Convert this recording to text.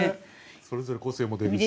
それぞれ個性も出るし。